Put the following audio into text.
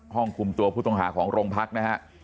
ห้องคุมตัวผู้ต้องหาของโรงพักนะฮะ